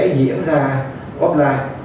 diễn ra online